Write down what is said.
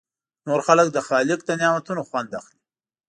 نور خلک د خالق له نعمتونو خوند اخلي.